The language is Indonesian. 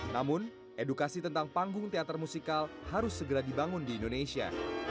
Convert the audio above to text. namun edukasi tentang panggung teater musikal harus segera dibangun di indonesia